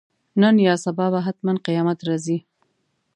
نن یا سبا به حتماً قیامت راځي.